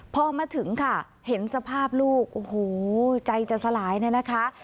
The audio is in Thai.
พ่อมาถึงค่ะเห็นสภาพลูกหูใจจะสลายนะคะ